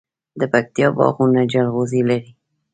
د پکتیکا باغونه جلغوزي لري.